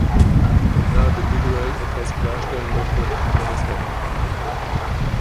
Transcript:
Wenn Herr de Miguel etwas klarstellen möchte, hat er das Wort.